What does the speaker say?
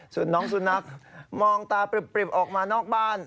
ส่วนน้องสุนัขมองตาปริ่มออกมานอกบ้าน